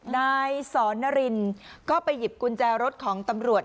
นายสอนนารินก็ไปหยิบกุญแจรถของตำรวจ